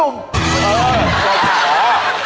โอ้โฮน่ะค่ะ